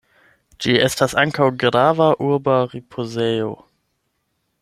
Ĝi estas ankaŭ grava urba ripozejo.